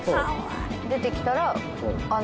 出てきたら「あの」